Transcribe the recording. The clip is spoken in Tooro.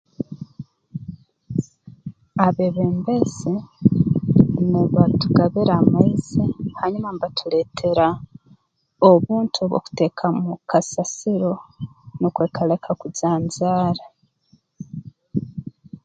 Abeebembezi nibatugabira amaizi hanyuma mbatuleetera obuntu obw'okuteekamu kasasiro nukwo ekaleka kujanjaara